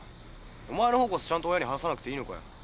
お前のほうこそちゃんと親に話さなくていいのかよ？